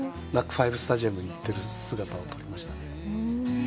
ＮＡＣＫ５スタジアムに行ってる姿を撮りましたね。